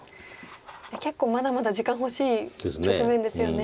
結構まだまだ時間欲しい局面ですよね。